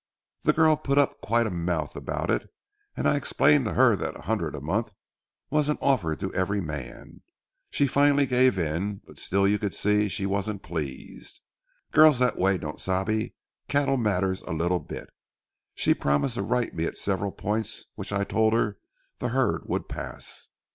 The girl put up quite a mouth about it, and I explained to her that a hundred a month wasn't offered to every man. She finally gave in, but still you could see she wasn't pleased. Girls that way don't sabe cattle matters a little bit. She promised to write me at several points which I told her the herd would pass.